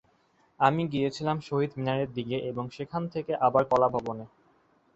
আমি গিয়েছিলাম শহীদ মিনারের দিকে এবং সেখান থেকে আবার কলা ভবনে।